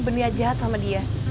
benia jahat sama dia